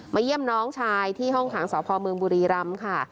เยี่ยมน้องชายที่ห้องขังสพเมืองบุรีรำค่ะ